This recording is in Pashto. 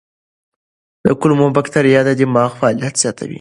کولمو بکتریاوې د دماغ فعالیت زیاتوي.